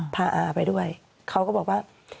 พาอาไปด้วยเขาก็บอกว่า